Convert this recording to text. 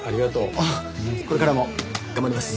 これからも頑張ります。